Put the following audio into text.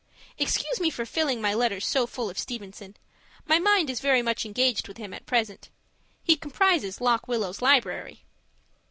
Excuse me for filling my letters so full of Stevenson; my mind is very much engaged with him at present. He comprises Lock Willow's library.